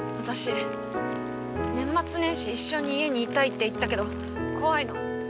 私年末年始一緒に家にいたいって言ったけど怖いの。